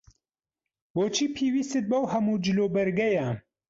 بۆچی پێویستت بەو هەموو جلوبەرگەیە؟